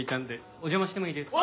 お邪魔してもいいですか？